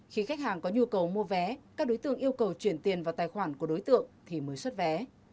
khi khách hàng có nhu cầu mua vé các đối tượng yêu cầu chuyển tiền vào tài khoản của đối tượng thì mới xuất vé